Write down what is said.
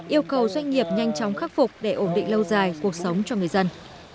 yêu cầu doanh nghiệp nhanh chóng khắc phục để ổn định lâu dài cuộc sống cho người dân